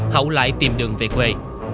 hậu lại tìm đường về quê